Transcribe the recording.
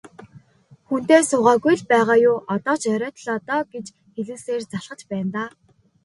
Хүнтэй суугаагүй л байгаа юу, одоо ч оройтлоо доо гэж хэлүүлсээр залхаж байна даа.